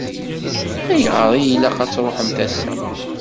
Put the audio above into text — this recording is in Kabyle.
Ayɣer i ilaq ad tṛuḥemt ass-a?